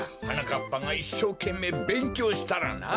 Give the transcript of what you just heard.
かっぱがいっしょうけんめいべんきょうしたらな。